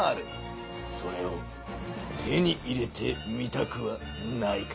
それを手に入れてみたくはないか？